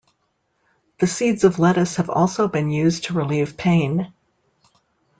The seeds of lettuce have also been used to relieve pain.